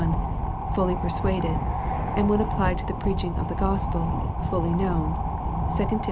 ^' fully persuaded," and when applied to tiie preaching of the Gospel, fuUy known," (2 Tim.